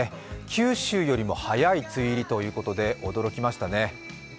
九州よりも早い梅雨入りということで驚きましたね。